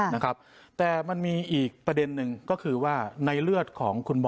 นะครับแต่มันมีอีกประเด็นหนึ่งก็คือว่าในเลือดของคุณหมอ